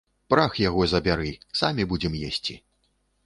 Прах яго забяры, самі будзем есці.